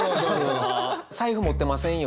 財布持ってませんよ